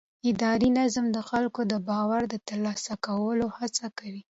اداري نظام د خلکو د باور د ترلاسه کولو هڅه کوي.